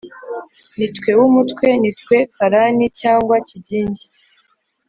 nitwe umuntu, nitwe karani cyangwa kigingi